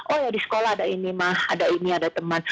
oh ya di sekolah ada ini mah ada ini ada teman